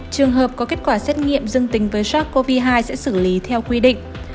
trường hợp có kết quả xét nghiệm dương tính với sars cov hai sẽ xử lý theo quy định